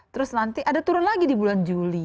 terus nanti ada turun lagi di bulan juli